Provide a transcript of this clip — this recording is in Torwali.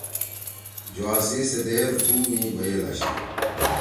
جُوا سی سیدیر بُھوم می بئیل آشی۔